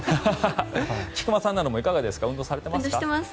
菊間さんもいかがですか運動されていますか？